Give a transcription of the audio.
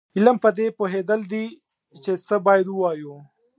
علم پدې پوهېدل دي چې څه باید ووایو.